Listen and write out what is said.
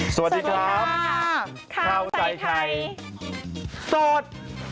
สวัสดีครับข้าวใส่ไข่สด